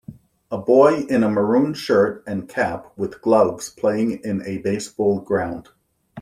A boy in a maroon shirt and cap with gloves playing in a baseball ground.